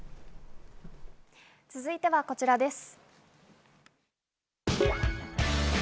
続いてはこちらです。